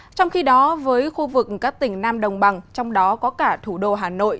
trong khi đó với khu vực các tỉnh nam đồng bằng trong đó có cả thủ đô hà nội